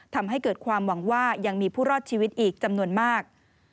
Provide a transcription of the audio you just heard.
ทำให้เกิดความหวังว่ายังมีผู้รอดชีวิตอีกจำนวนมาก